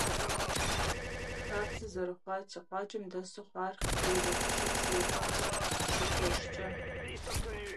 Хабзэ зэрыхъуати, къуажэм дэсу хъуар къыпежьэт пщыр зекӀуэ къыщыкӀуэжкӀэ.